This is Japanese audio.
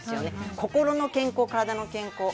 心の健康、体の健康。